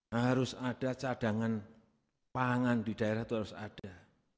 harus ada cadangan pangan di daerah itu harus ada